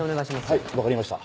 ・はい分かりました